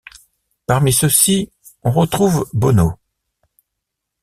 Parmi ceux-ci, on retrouve Bono.